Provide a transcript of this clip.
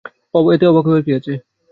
Wow, এতে অবাক হওয়ার কি আছে?